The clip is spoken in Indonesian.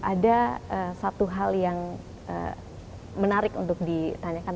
ada satu hal yang menarik untuk ditanyakan